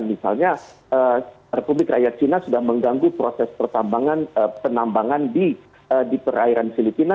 misalnya republik rakyat cina sudah mengganggu proses penambangan di perairan filipina